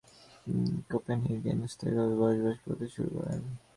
তিনি কোপেনহেগেনে স্থায়ীভাবে বসবাস করতে শুরু করেন।